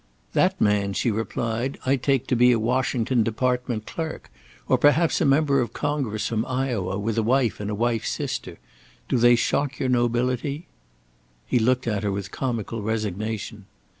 "That man," she replied, "I take to be a Washington department clerk, or perhaps a member of Congress from Iowa, with a wife and wife's sister. Do they shock your nobility?" He looked at her with comical resignation.